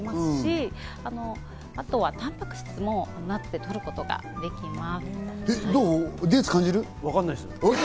あとはたんぱく質も取ることができます。